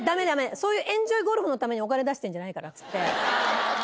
そういうエンジョイゴルフのためにお金出してるんじゃないから。